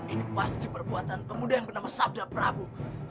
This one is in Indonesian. ini pasti perbuatan pemuda yang bernama sabda prabu